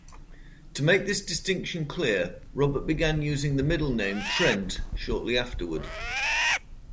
To make this distinction clear, Robert began using the middle name "Trent" shortly afterward.